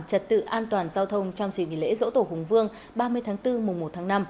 trật tự an toàn giao thông trong dịp nghỉ lễ dỗ tổ hùng vương ba mươi tháng bốn mùa một tháng năm